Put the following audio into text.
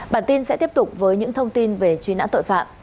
bản tin sẽ tiếp tục với những thông tin về truy nã tội phạm